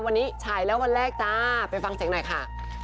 วันนี้ฉายแล้ววันแรกจ้าไปฟังเสียงหน่อยค่ะ